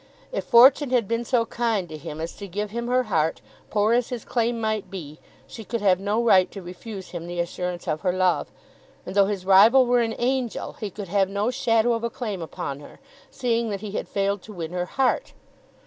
If Fortune had been so kind to him as to give him her heart, poor as his claim might be, she could have no right to refuse him the assurance of her love. And though his rival were an angel, he could have no shadow of a claim upon her, seeing that he had failed to win her heart.